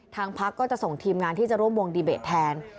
ทางพักก็จะส่งทีมงานที่จะร่วมวงดีเบตแทน